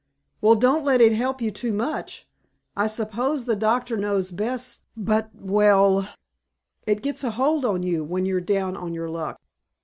"Well, don't let it help you too much. I suppose the doctor knows best but well, it gets a hold on you when you are down on your luck."